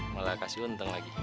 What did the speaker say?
malah kasih untung lagi